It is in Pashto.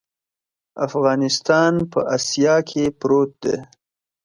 افغانستان په اسیا کې پروت دی.